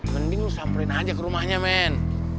mending lo samperin aja ke rumahnya men